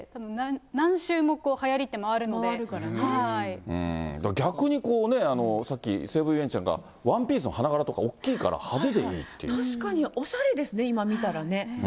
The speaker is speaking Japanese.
何周もはやりって回るの逆に、さっき、西武ゆうえんちなんか、ワンピースの花柄とか大きいから派手でい確かに、おしゃれですね、今